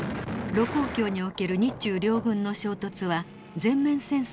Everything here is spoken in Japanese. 盧溝橋における日中両軍の衝突は全面戦争へと発展。